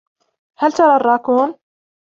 هل ترى الراكون ؟